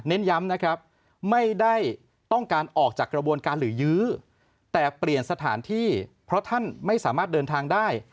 ย้ำนะครับไม่ได้ต้องการออกจากกระบวนการหรือยื้อแต่เปลี่ยนสถานที่เพราะท่านไม่สามารถเดินทางได้